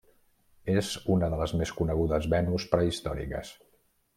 És una de les més conegudes Venus prehistòriques.